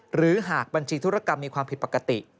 หรือหากบัญชีธุรกรรมมีความผิดปกติ